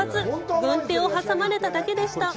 軍手を挟まれただけでした。